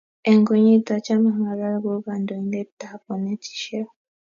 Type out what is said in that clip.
Eng konyiit achame angalal ako kandoindet tab konetishek